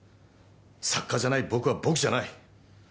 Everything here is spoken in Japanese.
作家じゃない僕は僕じゃない。